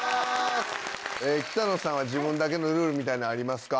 北乃さんは自分だけのルールみたいなのありますか？